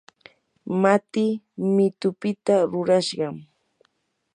matii mitupita rurashqam.